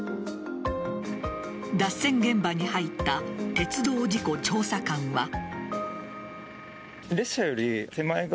脱線現場に入った鉄道事故調査官は。